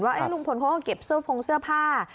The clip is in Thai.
ว่าลุงพลก็เก็บเซอร์ฟร้องเสื้อผ้า